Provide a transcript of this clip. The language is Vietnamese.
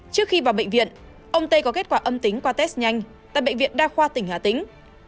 trước khi vào bệnh viện ông tây có kết quả âm tính qua test nhanh tại bệnh viện đa khoa tỉnh hà tĩnh